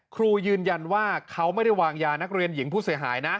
ครูยืนยันว่าเขาไม่ได้วางยานักเรียนหญิงผู้เสียหายนะ